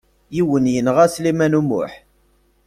Yiwen yenɣa Sliman U Muḥ.